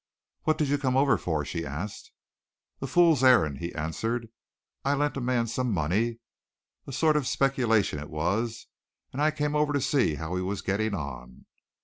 "What did you come over for?" she asked. "A fool's errand!" he answered. "I lent a man some money a sort of speculation it was and I came over to see how he was getting on."